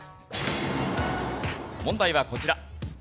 問題はこちら。